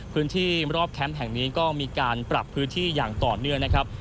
พื้นที่รอบแคมป์แห่งนี้ก็มีการปรับพื้นที่อย่างต่อเนื่องนะครับ